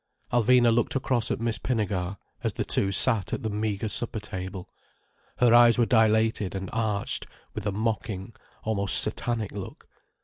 Alvina looked across at Miss Pinnegar, as the two sat at the meagre supper table. Her eyes were dilated and arched with a mocking, almost satanic look.